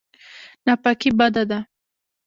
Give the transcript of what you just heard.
ناپاکي بده ده.